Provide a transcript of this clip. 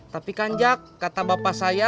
tapi kan jak kata bapak saya